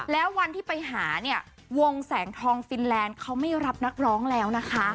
แล้ววันที่ไปหาเนี่ยวงแสงทองฟินแลนด์เขาไม่รับนักร้องแล้วนะคะ